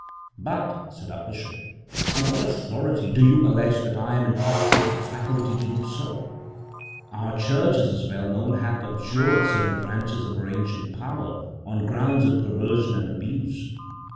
'But,' said our bishop, 'on what authority do you allege that I am intrusted with faculty so to do? Our Church, as is well known, hath abjured certain branches of her ancient power, on grounds of perversion and abuse.'